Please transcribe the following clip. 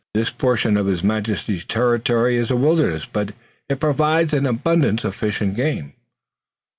This portion of His Majesty's territory is a wilderness, but it provides an abundance of fish and game."